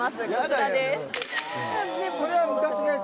これは昔のやつ。